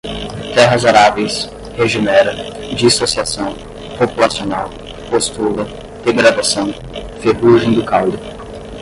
terras aráveis, regenera, dissociação, populacional, postula, degradação, ferrugem do caule